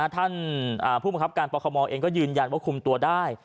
ท่านพวกบังคับการปกรมยืนยันว่าคุมตัวได้